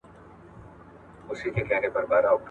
لاس لیکنه د مسؤلیت احساس زیاتوي.